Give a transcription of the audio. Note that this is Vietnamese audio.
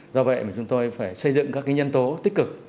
do vậy mà chúng tôi phải xây dựng các nhân tố tích cực